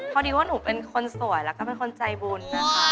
พอดีว่าหนูเป็นคนสวยแล้วก็เป็นคนใจบุญนะคะ